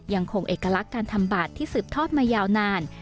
ยังคงเอกลักษณ์การทำบาทที่สืบทอดมายาวนาน